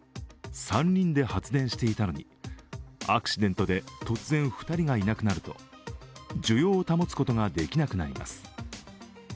３人で発電していたのにアクシデントで突然、２人がいなくなると需要を保つことができなくなります。